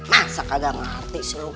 masa kagak ngerti sih lu ah